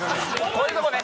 こういうとこね！